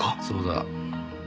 そうだ。